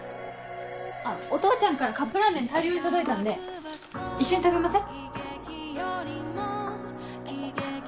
お父ちゃんからカップラーメン大量に届いたんで一緒に食べません？